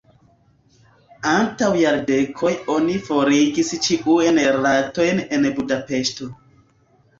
Antaŭ jardekoj oni forigis ĉiujn ratojn en Budapeŝto.